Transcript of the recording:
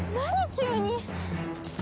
急に！